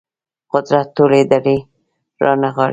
قدرت ټولې ډلې رانغاړي